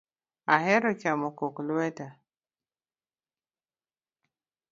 Ahero chamo kok lweta